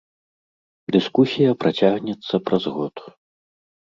Дыскусія працягнецца праз год.